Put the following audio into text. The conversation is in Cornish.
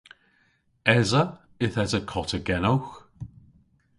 Esa. Yth esa kota genowgh.